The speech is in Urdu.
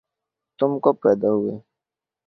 تم کب پیدا ہوئے